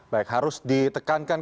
baik harus ditekankan